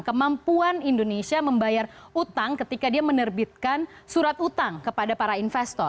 kemampuan indonesia membayar utang ketika dia menerbitkan surat utang kepada para investor